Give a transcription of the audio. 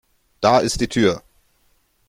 Da ist die Tür!